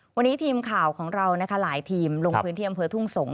วันนี้ทีมข่าวของเรานะคะหลายทีมลงพื้นที่อำเภอทุ่งสงศ